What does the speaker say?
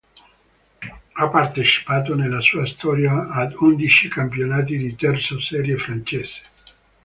Ha partecipato nella sua storia ad undici campionati di terza serie francese.